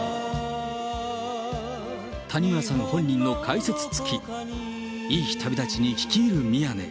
谷村さん本人の解説付き、いい日旅立ちに聴き入る宮根。